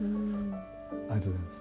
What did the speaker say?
・ありがとうございます。